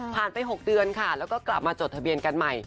ไป๖เดือนค่ะแล้วก็กลับมาจดทะเบียนกันใหม่